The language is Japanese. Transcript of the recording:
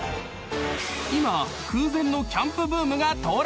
［今空前のキャンプブームが到来］